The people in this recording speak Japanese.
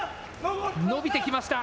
伸びてきました。